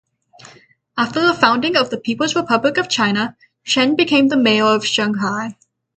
After the founding of the People's Republic of China, Chen became mayor of Shanghai.